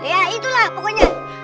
ya itulah pokoknya